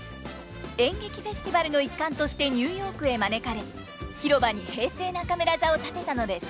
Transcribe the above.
演劇フェスティバルの一環としてニューヨークへ招かれ広場に平成中村座を建てたのです。